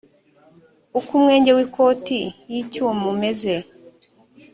uko umwenge w ikoti y icyuma umeze